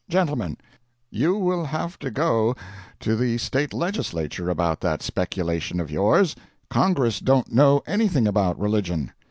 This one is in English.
"'GENTLEMEN: You will have to go to the state legislature about that speculation of yours Congress don't know anything about religion.